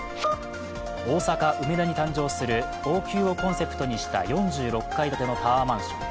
大阪・梅田に誕生する王宮をコンセプトにした４５階建てのタワーマンション。